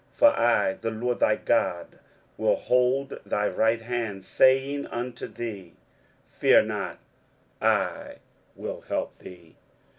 23:041:013 For I the LORD thy God will hold thy right hand, saying unto thee, Fear not; I will help thee.